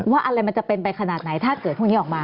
อะไรมันจะเป็นไปขนาดไหนถ้าเกิดพรุ่งนี้ออกมา